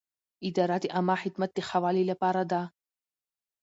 اداره د عامه خدمت د ښه والي لپاره ده.